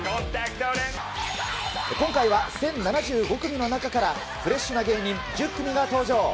今回は１０７５組の中から、フレッシュな芸人１０組が登場。